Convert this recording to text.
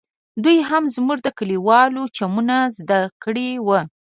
دوى هم زموږ د کليوالو چمونه زده کړي وو.